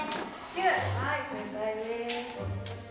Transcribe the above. はい正解です。